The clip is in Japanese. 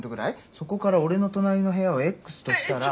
そこから俺の隣の部屋をエックスとしたら。